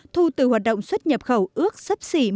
thu từ hoạt động xuất nhập khẩu ước sắp xếp